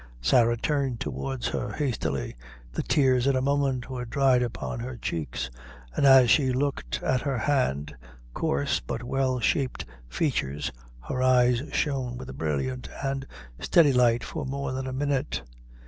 Sarah turned towards her hastily; the tears, in a moment, were dried upon her cheeks, and as she looked at her hard, coarse, but well shaped features, her eyes shone with a brilliant and steady light for more than a minute.